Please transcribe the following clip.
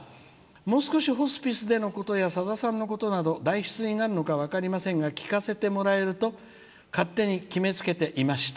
もう少しホスピスでのことやさださんのことなど代筆になるのか分かりませんが聞かせてもらえると勝手に決めつけていました。